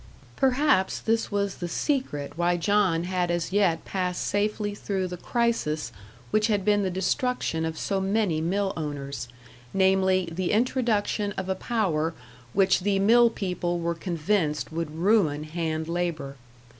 Perhaps this was the secret why John had as yet passed safely through the crisis which had been the destruction of so many mill owners, namely, the introduction of a power which the mill people were convinced would ruin hand labour.